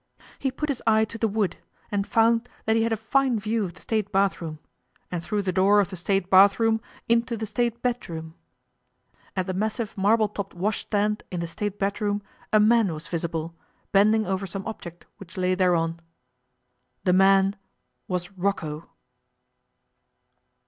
He put his eye to the wood, and found that he had a fine view of the State bathroom, and through the door of the State bathroom into the State bedroom. At the massive marble topped washstand in the State bedroom a man was visible, bending over some object which lay thereon. The man was Rocco!